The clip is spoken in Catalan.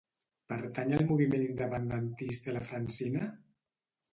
Pertany al moviment independentista la Francina?